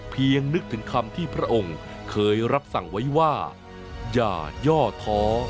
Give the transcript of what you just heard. นึกถึงคำที่พระองค์เคยรับสั่งไว้ว่าอย่าย่อท้อ